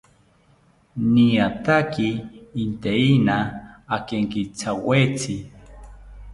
Niataki inteina akenkithawetzi